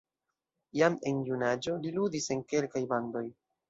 Jam en junaĝo li ludis en kelkaj bandoj.